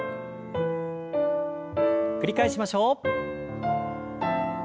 繰り返しましょう。